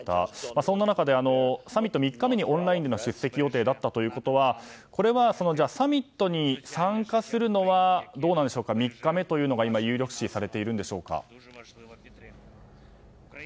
そんな中でサミット３日目にオンラインでの出席予定だったということはこれは、じゃあサミットに参加するのは３日目というのが今有力視されているのでしょうか。